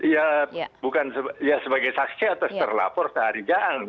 ya bukan ya sebagai saksi atas terlapor syahari jaang